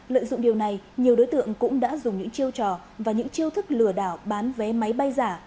lợi dụng điều này nhiều đối tượng cũng đã dùng những chiêu trò và những chiêu thức lừa đảo bán vé máy bay giả